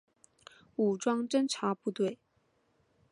武装侦察部队。